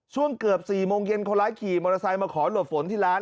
ช่วงเกือบ๔โมงเย็นคนร้ายขี่มอเตอร์ไซค์มาขอหลบฝนที่ร้าน